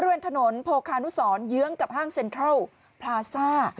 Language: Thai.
บริเวณถนนโพคานุสรเยื้องกับห้างเซ็นทรัลพลาซ่า